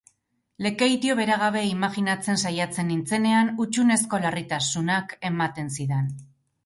Lekeitio bera gabe imaginatzen saiatzen nintzenean, hutsunezko larritasunak ematen zidan.